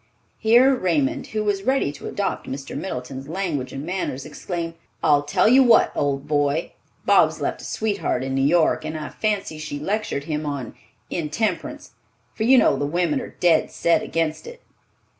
Here Raymond, who was ready to adopt Mr. Middleton's language and manners, exclaimed, "I'll tell you what, old boy, Bob's left a sweetheart in New York, and I fancy she lectured him on intemperance, for you know the women are dead set against it."